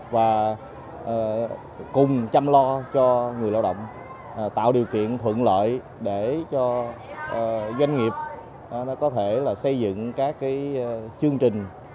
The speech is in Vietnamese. và cùng chăm lo cho người lao động tạo điều kiện thuận lợi để cho doanh nghiệp có thể xây dựng các chương trình